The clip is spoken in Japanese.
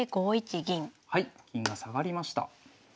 はい銀が下がりました。